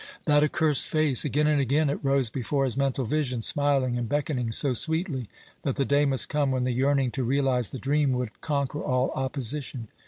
That accursed face! Again and again it rose before his mental vision, smiling and beckoning so sweetly that the day must come when the yearning to realize the dream would conquer all opposition.